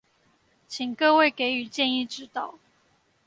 請各位給予建議指導